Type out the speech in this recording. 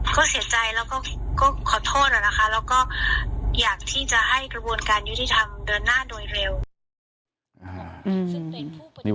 แล้วก็อยากที่จะให้กระบวนการยุทธิธรรมเดินหน้าโดยเร็ว